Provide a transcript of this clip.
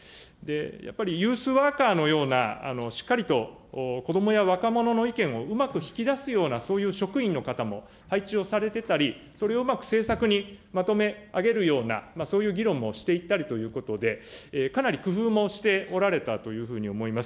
やっぱりユースワーカーのような、しっかりと子どもや若者の意見をうまく引き出すような、そういう職員の方も配置をされてたり、それをうまく政策にまとめ上げるような、そういう議論もしていったりということで、かなり工夫もしておられたというふうに思います。